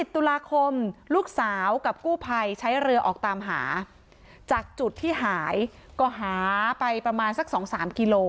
ตุลาคมลูกสาวกับกู้ภัยใช้เรือออกตามหาจากจุดที่หายก็หาไปประมาณสัก๒๓กิโล